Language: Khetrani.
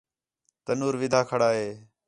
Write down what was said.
تَنُور وِدھا کھڑا ہے